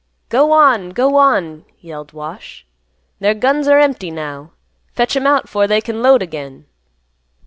"Go on, go on," yelled Wash. "Their guns are empty, now. Fetch 'em out 'fore they can load again."